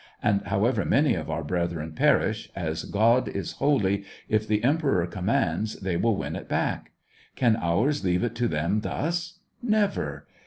And however many of our brethren perish, as God is holy, if the em peror commands, they will win it back. Can ours leave it to them thus t Never